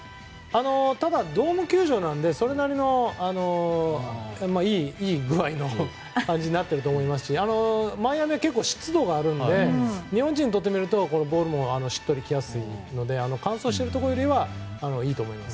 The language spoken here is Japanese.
ドーム球場なのでそれなりのいい具合の感じになっていると思いますしマイアミは湿度があるので日本人にとってみるとボールもしっくりときやすいので乾燥しているところよりはいいと思います。